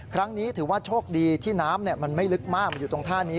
ครั้งนี้ถือว่าโชคดีที่น้ำมันไม่ลึกมากมันอยู่ตรงท่านี้